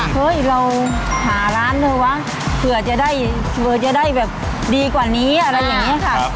เฮ้ยเราหาร้านเถอะวะเผื่อจะได้เผื่อจะได้แบบดีกว่านี้อะไรอย่างนี้ค่ะ